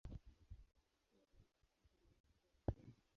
Pia una stesheni ya treni.